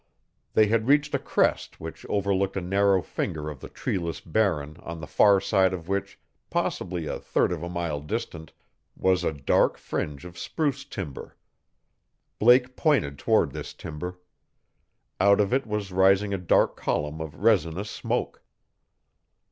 They had reached a crest which overlooked a narrow finger of the treeless Barren on the far side of which, possibly a third of a mile distant, was a dark fringe of spruce timber. Blake pointed toward this timber. Out of it was rising a dark column of resinous smoke.